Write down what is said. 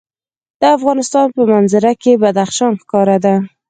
د افغانستان په منظره کې بدخشان ښکاره ده.